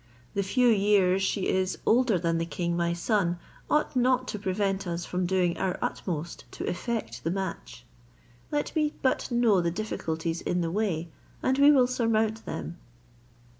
The few years she is older than the king my son ought not to prevent us from doing our utmost to effect the match. Let me but know the difficulties in the way, and we will surmount them."